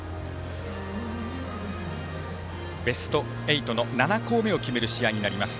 ベスト８の７校目を決める試合になります。